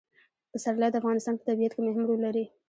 پسرلی د افغانستان په طبیعت کې مهم رول لري.